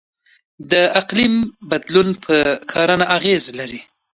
د اقلیم بدلون په کرنه اغیز لري.